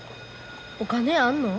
お金あんの？